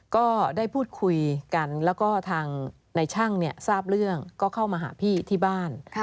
ก็ได้พูดคุยกันแล้วก็ทางในช่างทราบเรื่องก็เข้ามาหาพี่ที่บ้าน